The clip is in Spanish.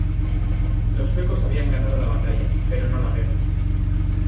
Los suecos habían ganado la batalla, pero no la guerra.